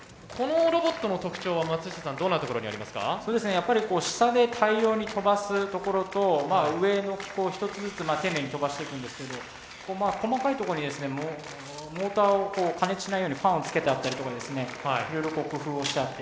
やっぱり下で大量に飛ばすところと上の機構１つずつ丁寧に飛ばしていくんですけど細かいとこにモーターを過熱しないようにファンをつけてあったりとかいろいろ工夫をしてあって。